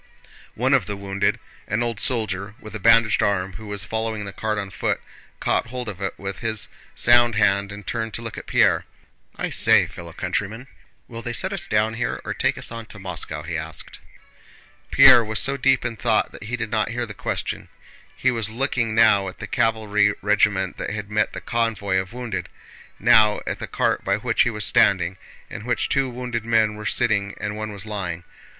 One of the wounded, an old soldier with a bandaged arm who was following the cart on foot, caught hold of it with his sound hand and turned to look at Pierre. "I say, fellow countryman! Will they set us down here or take us on to Moscow?" he asked. Pierre was so deep in thought that he did not hear the question. He was looking now at the cavalry regiment that had met the convoy of wounded, now at the cart by which he was standing, in which two wounded men were sitting and one was lying.